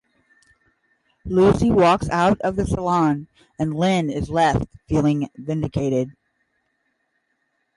Lucy walks out of the salon and Lynn is left feeling vindicated.